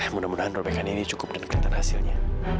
mudah mudahan probekan ini cukup dan kelihatan hasilnya